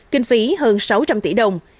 kinh phí hơn sáu trăm linh tỷ đồng